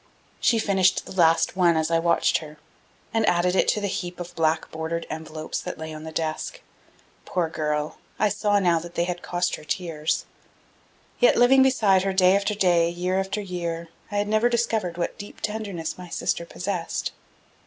She finished the last one as I watched her, and added it to the heap of black bordered envelopes that lay on the desk. Poor girl! I saw now that they had cost her tears. Yet, living beside her day after day, year after year, I had never discovered what deep tenderness my sister possessed.